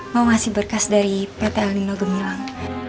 mau ngasih berkas dari pt alinno gemilang